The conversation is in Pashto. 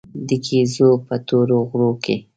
د ګېزو په تورو غرو کې.